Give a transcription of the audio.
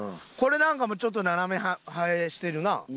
これなんかもちょっと斜め生えしてるな。